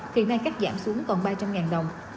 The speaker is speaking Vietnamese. thì nay các giảm xuống còn ba trăm linh ngàn đồng